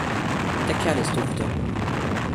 Der Kerl ist dufte.